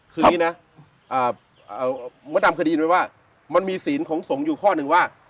คือนี้นะเอ่อโมโดรธรรมคดีไหมว่ามันมีศีลของศรงอยู่ข้อ๑ว่า